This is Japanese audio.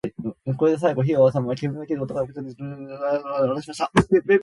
火が収まり、煙が消えると、男はポケットから飴を二つ取り出し、僕らに渡した